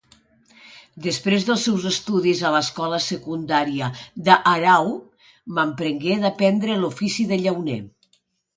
Després dels seus estudis a l'escola secundària d'Aarau, mamprengué d'aprendre l'ofici de llauner.